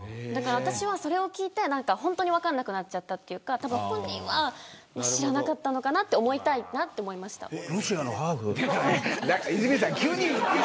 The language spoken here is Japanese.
だから、私はそれを聞いて本当に分からなくなっちゃったというか本人は知らなかったのかなって思いたいなと思いました。